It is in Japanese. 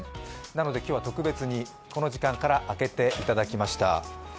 なので今日は特別にこの時間から開けていただきました。